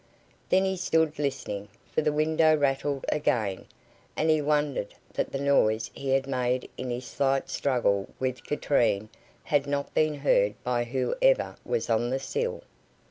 Then he stood listening, for the window rattled again, and he wondered that the noise he had made in his slight struggle with Katrine had not been heard by whoever was on the sill.